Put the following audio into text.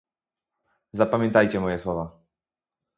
Zapamiętajcie moje słowa